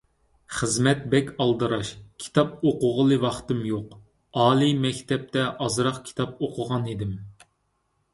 خىزمەت بەك ئالدىراش، كىتاب ئوقۇغىلى ۋاقتىم يوق، ئالىي مەكتەپتە ئازراق كىتاب ئوقۇغانىدىم.